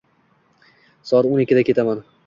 Soat o'n ikkida ketaman.